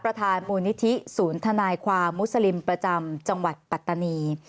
ประธานมูลนิธิศูนย์ทนายความมุสลิมประจำจังหวัดปัตตานี